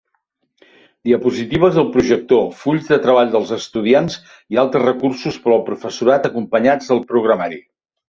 Diapositives del projector, fulls de treball dels estudiants i altres recursos per al professorat acompanyats del programari.